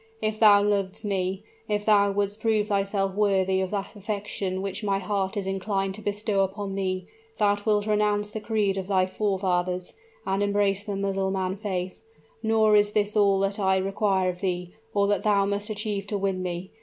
If thou lovest me if thou wouldst prove thyself worthy of that affection which my heart is inclined to bestow upon thee, thou wilt renounce the creed of thy forefathers, and embrace the Mussulman faith. Nor is this all that I require of thee, or that thou must achieve to win me.